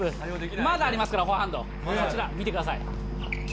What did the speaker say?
まだありますから、フォアハンド、見てください、こちら。